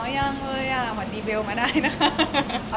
อ๋อยังเลยอะวัดดีเบลมาได้นะคะ